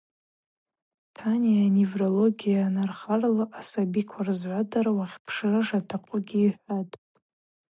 Таниа неврология нархарала асабиква рзгӏвадара уахьпшра шатахъугьи йхӏватӏ.